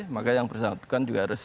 maka yang bersangkutan juga harus